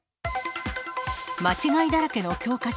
間違いだらけの教科書。